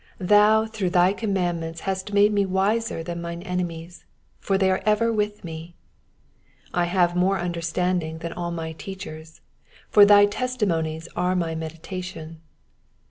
98 Thou through thy commandments hast made me wiser than mine enemies : for they are ever with me. 99 I have more understanding than all my teachers : for thy testimonies are my meditation.